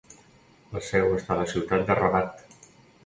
La seu està a la ciutat de Rabat.